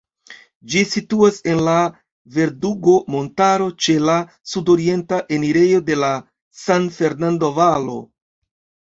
Ĝi situas en la Verdugo-montaro, ĉe la sudorienta enirejo de la San Fernando-valo.